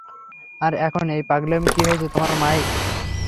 আর এখন এই পাগলামি, কি হয়েছে তোমার মাইক?